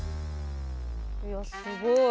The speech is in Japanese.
いやすごい。